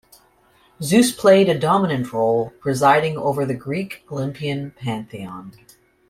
Zeus played a dominant role, presiding over the Greek Olympian pantheon.